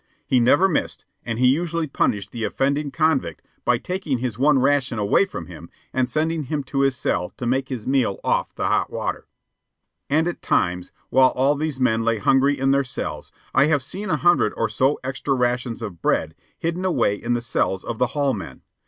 He never missed, and he usually punished the offending convict by taking his one ration away from him and sending him to his cell to make his meal off of hot water. And at times, while all these men lay hungry in their cells, I have seen a hundred or so extra rations of bread hidden away in the cells of the hall men.